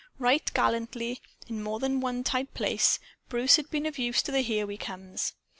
Right gallantly, in more than one tight place, had Bruce been of use to the "Here We Comes."